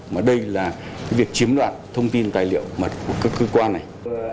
mà đây là việc chiếm đoạt thông tin tài liệu của các cơ quan này